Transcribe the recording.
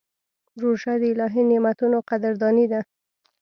روژه د الهي نعمتونو قدرداني ده.